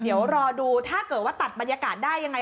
เดี๋ยวรอดูถ้าเกิดว่าตัดบรรยากาศได้ยังไง